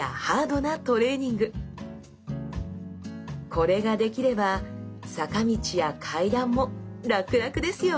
これができれば坂道や階段も楽々ですよ！